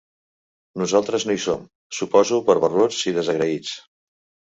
Nosaltres no hi som, suposo per barruts i desagraïts.